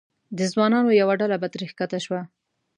د ځوانانو یوه ډله به ترې ښکته شوه.